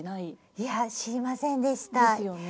いや知りませんでした。ですよね。